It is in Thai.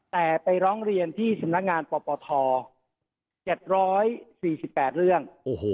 แต่ไปร้องเรียนที่สำนักงานปปท๗๔๘เรื่อง